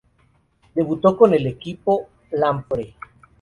Debutó con el equipo Lampre.